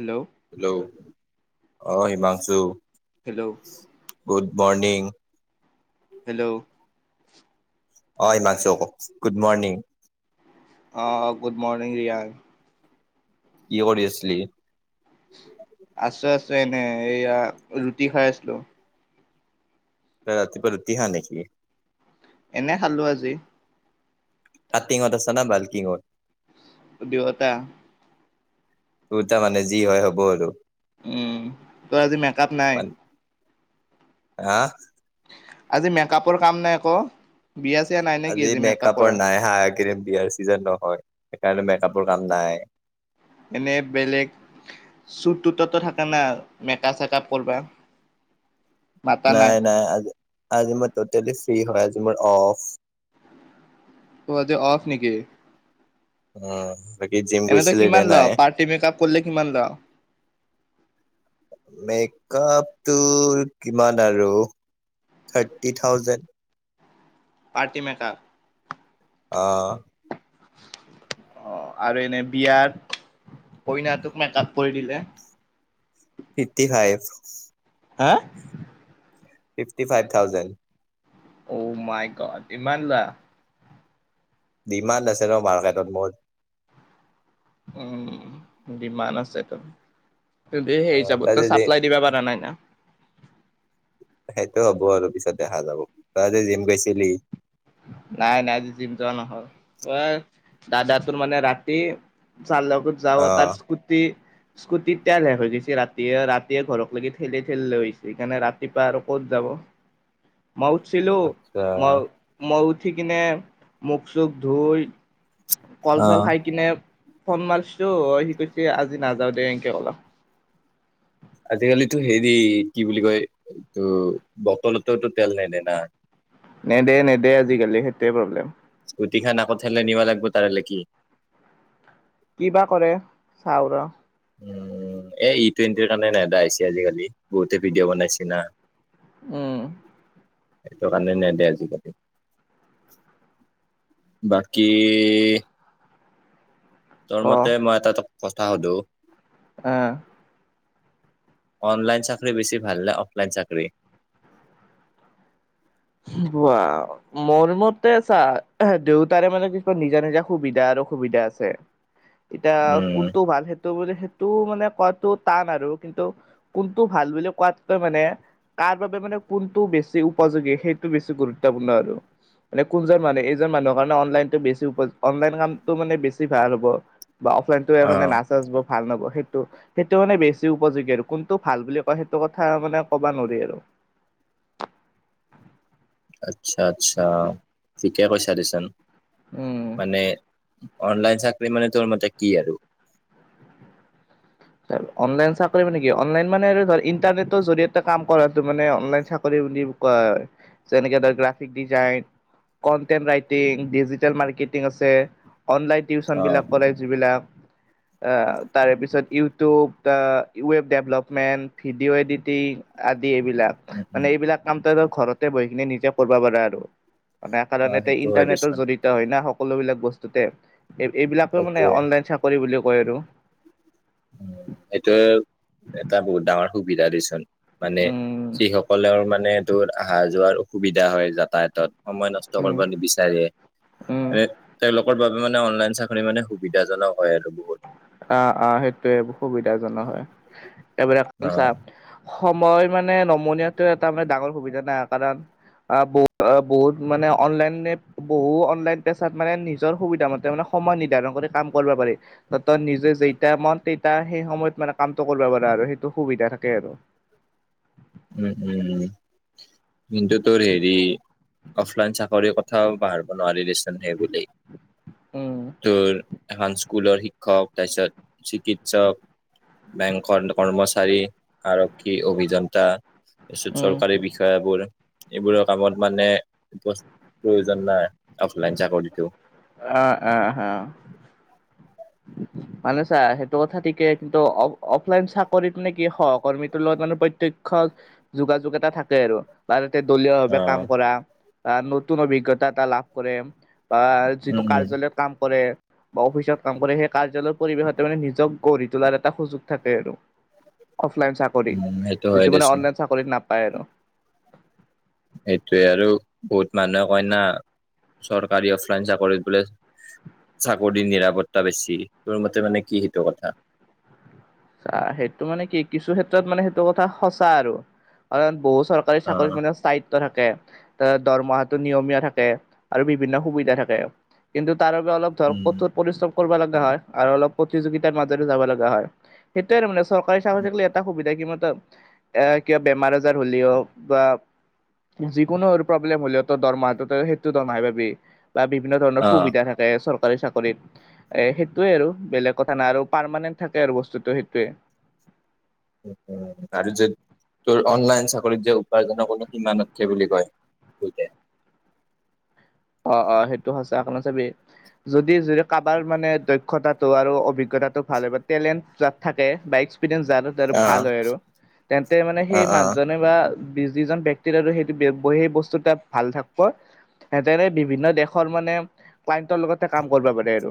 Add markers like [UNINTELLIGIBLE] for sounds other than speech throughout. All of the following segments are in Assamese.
হেল্ল' হেল্ল', অ' Himanshu. Hello. Good morning. Hello. অ' হিমাংশু গুড মৰ্নিং। অ', গুড মৰ্ণিং ৰিয়ান। কি কৰি আছিলি। আছো- আছো এনে এয়া ৰুটি খাই আছিলো। তই ৰাতিপুৱা ৰুটি খা নেকি। এনে খালো আজি। কাটিঙত আছে না বাল্কিঙত। দুয়োটা। দুয়োটা মানে যি হয় হ'ব আৰু। উম, তোৰ আজি মেকআপ নাই। হা। আজি মেকআপৰ কাম নাই একো। আজি মেকাআপৰ নাই আহা এইকেইদিন। বিয়াৰ চিজন নহয় সেইকাৰণে মেকআপৰ কাম নাই। এনে বেলেগ চুট তোততো থাকে না মেকা চেকাপ কৰবা। [INAUDIBLE] নাই- নাই আজি। আজি মই ট'টেলি ফ্ৰী হয় আজি মোৰ অফ। তোৰ আজি অফ নেকি? উম। বাকী জিম এনে তই গৈছিলি নে কিমান ল নাই পাৰ্টি মেকাপ কৰিলে কিমান ল। মেক মেকাপটোৰ কিমান আৰু থাৰ্টি থাউজেণ্ড। Party makeup. অ'। অ' আৰু এনে বিয়াত কইনাটোক মেকাপ কৰি দিলে। Fifty five. হা। Fifty five thousand. O my god ইমান লোৱা। ডিমাণ্ড আছিল ন মাৰ্কেটত মোৰ। উম, ডিমাণ্ড আছে তো। [UNINTELLIGIBLE] হেৰি অ', চাব তই যদি চাপ্লাই দিবা পাৰা নাই না। সেইটো হ'ব আৰু পিছত দেখা যাব তই আজি জিম গৈছিলি। নাই নাই জিম যোৱা নহ'ল। অ' দাদা তোৰ মানে ৰাতি যাৰ লগত যাব তাৰ অ', স্কুটি স্কুটিত তেল শেষ হৈ গৈছে ৰাতিয়ে, ৰাতিয়ে ঘৰক লাগি ঠেলি ঠেলিলে আহিছে সেইকাৰণে ৰাতিপুৱা আৰু ক'ত যাব। [INAUDIBLE] মই উঠিছিলোঁ আচ্ছা মই- মই উঠি কিনে মুখ চুখ ধুই কল চল অ', খাই কিনে। ফ'ন মাৰিছিলো সি কৈছে আজি নাযাও দে এনকে কলা। আজিকালিতো হেৰি কি বুলি কয় ত' বটলততো তেল নেদে না। নেদে-নেদে আজিকালি সেইটোৱে প্ৰব্লেম। স্কুটিখন আকৌ ঠেলি নিব লাগিব তাৰে লৈকে। কি বা কৰে চাও ৰ। উম এ ই টুৱেণ্টিৰ কাৰণে নেদা হৈছে আজিকালি বহুতে ভিডিঅ' বনাইছি না। উম'। সেইটো কাৰণে নেদিয় আজিকালি বাকী। তোৰ মতে মই এটা কথা সুধো অ ' অনলাইন চাকৰি বেছি ভাল না অফলাইন চাকৰি। [INAUDIBLE] বোৱা মোৰ মতে চা দেউতাৰে মানে কিছুমান নিজা নিজা সুবিধা। অসুবিধা আছে। [INAUDIBLE] এতিয়া, উম কোনটো ভাল সেইটো বুলি, সেই। টো মানে কোৱাাতটো টান আৰু কিন্তু, কোনটো ভাল বুলি কোৱাতকৈ মানে। তাৰ বাবে মানে কোনটো বেছি উপযোগী সেইটো বেছি গুৰুত্বপূৰ্ণ আৰু মানে কোনজন মানুহে এইজন মানুহৰ কাৰণে অনলাইনতো বেছি অনলাইন কামটো মানে বেছি ভাল হ'ব বা অফলাইনতো এই কাৰণে অ', নাচ চা বোৰ ভাল নবয়। সেইটো সেইটো মানে বেছি উপযোগী আৰু কোনটো ভাল বুলি কয় সেইটো কথা মানে ক'বা নোৱাৰি আৰু [INAUDIBLE] আচ্ছা আচ্ছা ঠিকে কৈছালিচন উম'। অনলাইন চাকৰি মানে, তোৰ মতে কি আৰু। অনলাইন চাকৰি মানে কি অনলাইন মানে ধ ইণ্টাৰনেটৰ জৰিয়তে কাম কৰাটো মানে অনলাইন চাকৰি ক হয় যেনেকে ধৰ graphic design. Content writing digital marketing আছে অনলাইন অ টিউচনবিলাক কৰে যিবিলাক, অহ, তাৰে পিছত ইউ টো ৱেব ডেভলপমেণ্ট ভিডিঅ' এডিটিং আ এইবিলাক উম মানে উম এইবিলাক কাম ত ঘৰতে বহি কিিনি নিজে কৰিব পাৰা আৰু মানে অ কাৰণ সেইটো হয় ইন্টাৰনেটৰ দেচোন জড়ত হয় না সকলোবিলাক বস্তুতে। এই এইবিলাকে মানে সেইটোয়ে অনলাইন চাকৰি বুলি কয় আৰু উ এইটোয় এটা বহুত ডাঙৰ সুবিধা দিচোন মানে উম যিসকলৰ মানে তোৰ অহা যোৱাৰ অসুবিধা হয় যাতায়াতত সময় নষ্ট উম কৰিব নিবিচাৰে, উম। এ তেওঁলোকৰ বাবে। মানে অনলাইন চাকৰি মানে সুবিধাজনক হয় আৰু বহুত অহ', অহ' সেইটোয়ে সুবিধাজনক হয়। একেবেৰে অ খৰিচা। সময় মানে নমনিয়াতটো এটা মানে ডাঙৰ সুবিধা নাই কাৰণ আহ, বহু-বহুত মানে অনলাইনে, বহুত অনলাইন পেছাত মানে, নিজৰ সুবিধা মতে মানে। সময় নিৰ্ধাৰণ কৰি কাম কৰিব পাৰি ত'ত নিজে যেইয়া মন, তেইয়া সেই সময়ত মানে কামটো কৰিব পাৰা আৰু। সেইটো সুবিধা থাকে আৰু। উম উম নিটো তো হেৰি অফলাইন চাকৰিৰ কথাও পাহৰিব নোৱাৰিলেছেনহে বুলি উম তোৰ এখন স্কুলৰ শিক্ষক তাৰপিছত চিকিৎসক বেংকৰ কৰ্মচাৰী, আৰক্ষী, অভিযন্তা। তাৰপত উম চৰকাৰী বিষয়বোৰ এইবোৰৰ কামত মানে প্ৰয়োজন নাই অফলাইন চাকৰিটো। আহ আহ আহ মানে ছা সেইটো কথা ঠিকেই কিন্তু অ অফলাইন চাকৰিত নে কি সহকৰ্মীটোৰ লগত মানে। প্ৰত্যক্ষ যোগাযোগ এটা থাকে আৰু তে, দলীয় অ ভাৱে কাম কৰা। বা নতুন অভিজ্ঞতা এটা লাভ কৰে। বা যিটো উম উম কাৰ্যালয়ত কাম কৰে বা অফিচত। কাম কৰে সেই কাৰ্যালয়ৰ পৰিৱেশতে মানে নিজক গঢ়ি তোলাৰ এটা সুযোগ থাকে আৰু। অফলাইন উম চাকৰিত। সেইটো হয় যিটো মানে দেচোন অনলাইন চাকৰিত নাপায় আৰু। সেইটোয়ে আৰু বহুত মানুহে কয় না। চৰকাৰী অফ্ৰইঞ্চ চাকৰিত বোলে চাকৰিৰ নিৰাপত্তা বেছি, তোৰ মতে মানে কি সেটো কথা? চা সেইটো মানে কি কিছু ক্ষেত্ৰত মানে সেইটো কথা সঁচা আৰু কাৰণ বহুত চৰকাৰী অ চাকৰিত মানে স্থায়িত্ব থাকে। ত দৰমহাটো নিয়মীয়া থাকে আৰু বিভিন্ন সুবিধা থাকে। কিন্তু তাৰ বাবে অলপ ধৰক উম কঠোৰ পৰিশ্ৰম কৰিব লগা হয়। আৰু অলপ প্ৰতিযোগিতাৰ মাজৰে যাব লগা হয়। সেইটোৱে আৰু মানে চৰকাৰি চাকৰি থাকিলে এটা সুবিধা কিমান এ কিবা বেমাৰ আজাৰ হ'লেও বা যিকোনো আৰু প্ৰব্লেম হলেও তোৰ দৰমটো তই সেটো দৰমহাই পাবি। বা বিভিন্ন ধৰণৰ অ সুবিধা থাকে চৰ চৰকাৰী চাকৰিত এ সেইটোয়ে আৰু বেলেগ কথা নাই আৰু পাৰমানেণ্ট থাকে আৰু বস্তুতটো সেই তে আৰু যেত তোৰ অনলাইন চাকৰিত যে উপাৰ্জনৰ কোনো সীমা নাথাকে বুলি কয়। [INAUDIBLE] অ', অ', সেইটো সঁচা অকমান চাবি, যদি যদি কাৰোবাৰ মানে দক্ষতাটো আৰু অভিজ্ঞ অভিজ্ঞতা তো ভাল হয়, টেলেণ্ট তাত থাকে বাইক পিতেন যাত আৰু ভাল অ', হয় আৰু তেন্তে মানে সেই অ', অ', মানুহজনে বা যিজন ব্যক্তিৰ আৰু সেই সেই বস্তু তাত ভাল থাকিব। তেনে বিভিন্ন দেশৰ মানে ক্লাইণ্টৰ লগতে কাম কৰিব পাৰে আৰু।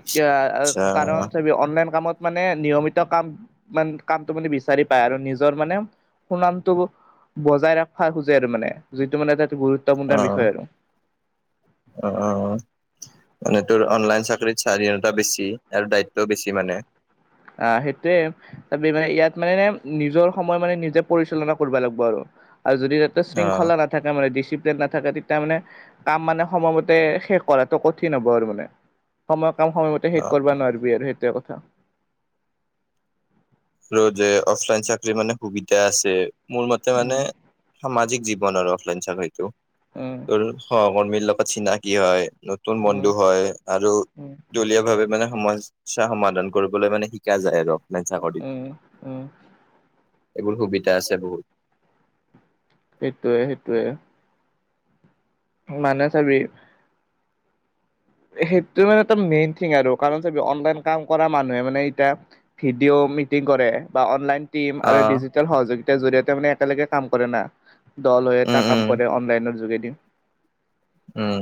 এতিয়া আচ্ছা কাৰণ ছাবি অনলাইন কামত। মানে নিয়মিত কাম মান কামটো মানে বিচাৰি পায় আৰু নিজৰ মানে। সুনামটো বজাই ৰাখিব খোজে আৰু মানে, যিটো মানে এটা গুৰুত্বপূৰ্ণ অ', বিষয় আৰু। অ', অ', মানে তোৰ অনলাইন চাকৰিত স্বাধীনতা বেছি আৰু দায়িত্ব বেছি মানে। আহ সেইটোয়ে তাৰ মানে ইয়াত মানে নিজৰ সময় মানে নিজে পৰিচালনা কৰিব লাগিব আৰু। আৰু যদি তাতে অ'। শৃংখলা নাথাকে মানে ডিচি প্লেন নাথাকে তেতিয়া মানে কাম মানে সময়মতে শেষ কৰাটো কঠিন হ'ব আৰু মানে সময়ক কাম সময়মতে শেষ অ', কৰিব নোৱাৰিবি আৰু সেইটোৱে কথা। ৰো যে অফলাইন চাকৰি মানে সুবিধা আছে, মোৰ মতে মানে উম সামাজিক জীৱ জীৱনৰ অফলাইন চাকৰিটো উম তোৰ সহকৰ্মীৰ লগত চনাকি হয়। নতুন উম বন্ধু হয়, আৰু উম দলীয়া ভাৱে মানে সমস সমস্যা সমাধান কৰিবলৈ মানে শিকা যায় আৰু অফলাইন চাকৰি। উম উম', এইবোৰ সুবিধা আছে বহুত। সেইটোয়ে সেইটোৱে। মানে চাবি সেইটো মানে মেইন থিং আৰু কাৰণ চাবি, অনলাইন কাম কৰা মানুহে মানে এতিয়া ভিডিঅ' মিটিং কৰে বা অনলাইন টীম আৰু অ', ডিজিটেল সহযোগিতা জৰিয়তে মানে একেলগে কাম কৰে না। দল হৈ এটা উম, উম, কাম কৰে, অনলাইনৰ যোগেদি। উম,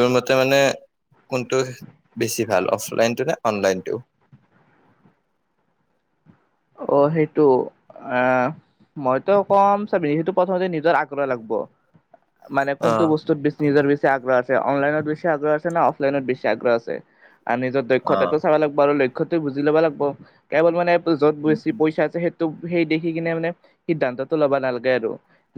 তোৰ মতে মানে কোনটো বেছি ভাল অফলাইনটো নে অনলাইনটো? অ', সেইটো আহ মইতো কম চাবি সেইটো প্ৰথমতে নিজৰ আগ্ৰহ লাগব। মানে অ', কোনটো বস্তুত বেছি নিজৰ বেছি আগ্ৰহ আছে, অনলাইনৰ বেছি আগ্ৰহ আছে না অফ অফলাইনত বেছি আগ্ৰহ আছে আৰু নিজৰ দক্ষতাটো চাবা লাগব আৰু লক্ষ লক্ষ্যটো বুজি লবা লাগব, কেৱল মানে য'ত উম, বেছি পইচা আছে সেই সেই দেখি কিনে মানে, সিদ্ধান্তটো লবা নালগে আৰু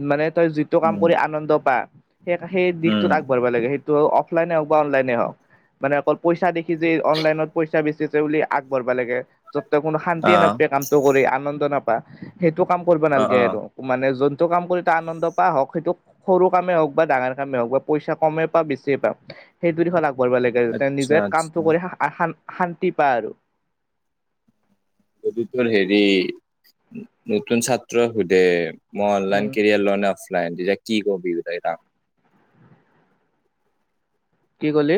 মানে তই যিটো কাম কৰি আনন্দ পা সেই সেই উম, দিশটোত আগবাঢ়িবা লাগে। সেই ত অফলাইনে হওক বা অনলাইনে হওক মানে অকল পইচা দেখি যে অনলাইনত পইচা বেচি বুলি আগবঢ়া লাগে যতে কোনো শান্তিয়ে অ', নাপায়ে কামটো কৰি আনন্দ নাপা। সেইটো কাম কৰিব অ', নালাগে অ', আৰু মানে যত টো কাম কৰি আনন্দ পা হওক সেইটো সৰু কামেই হওক বা ডাঙাৰ কামেই হওক বা পইচা কমেই পা বেছিয়ে পা। সেইটো দিখ লাগিব। কৰিবা লাগে তে আচ্ছা, নিজে কামটো আচ্ছা। কৰি শা-শা-শান্তি পায় আৰু। যদি তোৰ হেৰি নতুন ছাত্ৰই সোধে মই অনলাইন উম কেৰিয়াৰ লৈ কি ক'লি?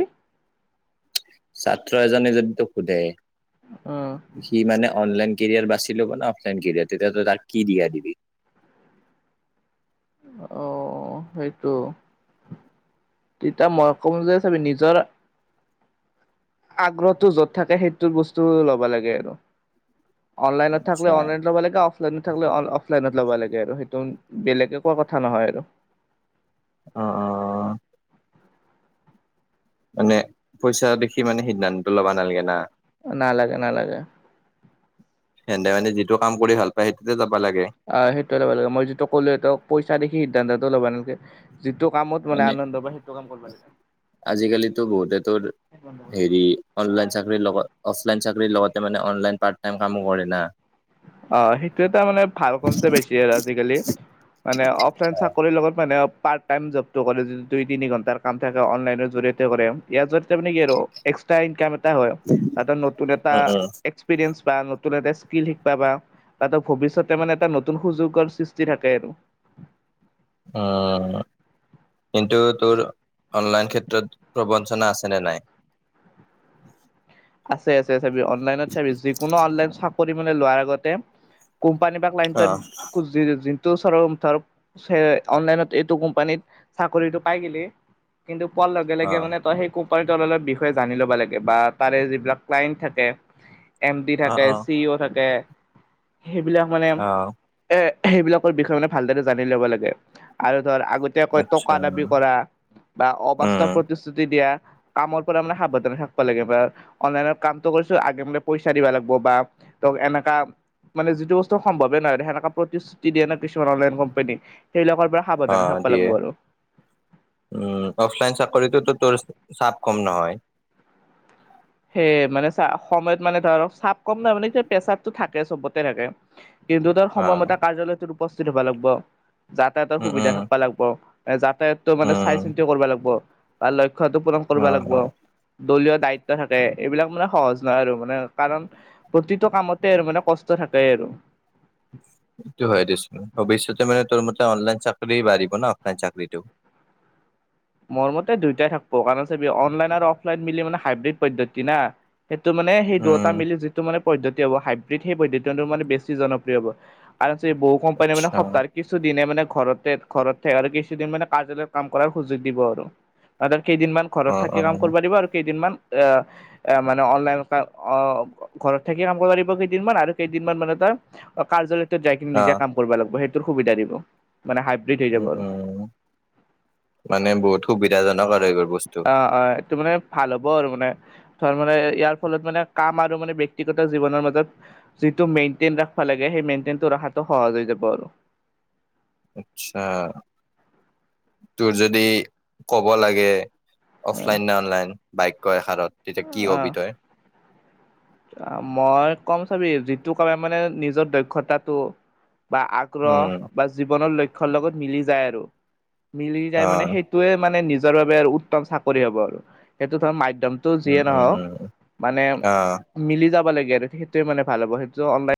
ছাত্ৰ এজনে যদি তোক সোধে উম সি মানে অনলাইন কেৰিয়াৰ বাচি ল'ব ন অফলাইন কেৰিয়াৰ তেতিয়াতো তাৰ কি দিয়া দিবি? অহ সেইটো। তিতা মই কম যে চাবি নিজৰ আগ্ৰহটো য'ত থাকে সেইটো বস্তু ল'বা লাগে আৰু। অনলাইনত আচ্ছা। থাকলে অনলাইন লব লাগে অফলাইন থাকলে অফলাইনত লবা লাগে আৰু সেইটো বেলেগে কোৱা কথা নহয় আৰু। অ' অ'। মানে পইচা দেখি মানে সিদ্ধান্ত ল'বা নালাগে না? নালাগে নালাগে। সেনেদে মানে যিটো কাম কৰি ভাল পায় সেইটোতে যাব। আহ সেইটোৱে ল'ব লাগে মই যিটো কলো তোক পইচা দেখি সিদ্ধান্তটো ল'বা নেলাগে। যিটো কামত মানে আনন্দ পায় সেইটো কাম কৰিবা লাগে। আজিকালিতো বহুতে তোৰ হেৰি অনলাইন চাকৰি লগত অফলাইন চাকৰি লগতে মানে অনলাইন পাৰ্ট কামো কৰে না। অ' সেইটো এটা মানে ভাল কনচেপ আইছে আৰু আজিকালি। মানে অফলাইন চাকৰি লগত মানে অফ পাৰ্ট টাইম জবটো কৰে যদি দুই তিনি ঘন্টাৰ কাম থাকে অনলাইনৰ জৰিয়তে কৰে ইয়াৰ জৰিতে মানে কি আৰু এক্স [UNINTELLIGIBLE] গান এটা হয় নতুন এটা উম উম। এক্সপিৰিয়েন্জ বা নতুন এটা স্কিল শিকবা বা তাতো ভৱিষ্যতে মানে এটা নতুন সুযোগৰ সৃষ্টি থাকে আৰু। উম। কিন্তু তোৰ অনলাইন ক্ষেত্ৰত প্ৰবঞ্চনা আছেনে নাই? [INAUDIBLE] আছে আছে চাবি অনলাইনত চাবি যিকোনো অনলাইন চাকৰি মানে লোৱাৰ আগতে কোম্পানী বা ক্লাইনটত অহ [UNINTELLIGIBLE] [UNINTELLIGIBLE] ধৰ অনলাইনত এইটো কোম্পানীত চাকৰিটো পাই গেলি কিন্ত। কোৱাৰ লগে অ লগে মানে তই সেই কুপাৰী তলৰ বিষয়ে জানি ল'ব লাগে বা তাৰে যিবিলাক ক্লায়ণ্ট থাকে এম ডি অ থাকে চি ই অ' থাকে সেইবিলাক মানে অ এ সেইবিলাকৰ বিষয়ে মানে ভালদৰে জানি ল'ব লাগে আৰু ধৰ আগতীয়াকৈ আচ্ছা টকা দাবী কৰা বা উম অবাস্তৱ প্ৰতিশ্ৰুতি দিয়া। কামৰ পৰা মানে সাৱধানে থাকব লাগে বা অনলাইন কামতটো কৰিছোঁ আগে মান পইচা দিবা লাগব বা তক এনেকা মানে যিটো বস্তু সম্ভৱে নহয় সেনেকা প্ৰতিশ্ৰুতি দিয়ে ন' কিছুমান অনলাইন কোম্পানী। সেইবিলাকৰ পৰা সাৱধানে অ', থাকিব দিয়ে, লাগিব আৰু। উম অফলাইন চাকৰিটোতো তোৰ, চা কম নহয়। সেইয়ে মানে চা সময়ত মানে ধৰক চাপ কম নাই মানে পেচাবটো থাকে চবতে থাকে। কিন্তু তাৰ অ সময়মতে কাৰ্যালয়টোত উপস্থিত হব লাগিব যাতায়াতৰ উম সুবিধা উম থাকবা লাগব। যাতায়াতটো মানে চাই উম চিন্তি কৰিব লাগিব, বা লয়ক্ষটো পূৰণ অ কৰিব লাগিব। অ দলীয় দায়িত থাকে এইবিলাক মানে সহজ নহ আৰু মানে কাৰণ প্ৰতিটো কামতে আৰু মানে কষ্ট থাকেই আৰু। [INAUDIBLE] সেইটো হয় দেছোন ভৱিষ্যতে মানে তোৰ মতে অনলাইন চাকৰি বাঢ়িব ন অনলাইন চাকৰিটো। [INAUDIBLE] মোৰ মতে দুইটাই থাকিব কাৰণ অনলাইন আৰু অফলাইন মিলি মানে হাইব্ৰীড পদ্ধতি না। সেইটো মানে সেই দুৱটা উম মিলি যিটো মানে পদ্ধতি হ'ব হাইব্ৰীড সেই পদ্ধতিটো মানে বেছি জনপ্ৰিয় হ'ব আৰু বহু কম্পানীয়ে মানে আচ্ছা সপ্তাহৰ কিছু দিনে মানে ঘৰতে ঘৰত থাক আৰু কিছুদিন মানে কাৰ্যালয়ত কাম কৰাৰ সুযোগ দিব আৰু কেইদিনমান অ ঘৰত থাকি অ কাম কৰবা দিব আৰু কেইদিনমান এ, এ মানে অনলাইন অ, ঘৰত থাকি কাম কৰবা দিব কেইদিনমান আৰু কেইদিনমান মানে অ', কাৰ্যালয়টোত যাই কিনে অ নিজে কাম কৰবা লাগব সেইটোৰ সুবিধা দিব। মানে হাইব্ৰিড এৰিয়া উম বাৰু উম মানে বহুত সুবিধাজনক আৰু এইবোৰ বস্তু অ', অ, এইটো মানে ভাল হ'ব আৰু মানে। থৈ মানে ইয়াৰ ফলত মানে কাম আৰু মানে ব্যক্তিগত জীৱনৰ মাজত যিটো মেইনটেইন ৰাখবা লাগে সেই সেই মেইনটেইনটো ৰখাটো সহজ হৈ যাব আৰু। [INAUDIBLE] আচ্ছা তোৰ যদি কব লাগে অফলাইন নে অনলাইন, বাক্য এষাৰত তেতিয়া কি হবি তই? আ, মই কম চাবি যিটো কলে মানে নিজৰ দক্ষতাটো বা আগ্ৰহ উম বা জীৱনৰ লক্ষ্য লগত মিলি যায় আৰু মিলি যাই অ মানে সেইটোৱে মানে নিজৰ বাবে উত্তম চাকৰি হব আৰু সেইটো ধৰ মাই এমটো উম যিয়ে উম নহওক উম মানে অ মিলি যাবা লাগে আৰু সেইটোৱে মানে ভাল হ'ব সেইটো অনলাইন